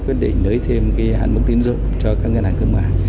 quyết định lấy thêm hạn mức tín dụng cho các ngân hàng thương mại